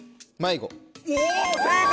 おぉ正解！